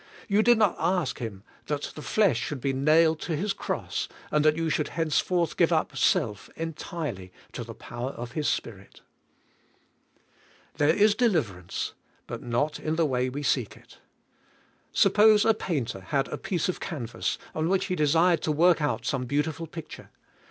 You did not ask Him that the liesh should be nailed to His cross, and that you should henceforth give up self entirely to the power of His Spirit. There is deliverance, but not in the way we seek it. Suppose a painter had a piece of canvas, on which he desired to work out some beautiful picture.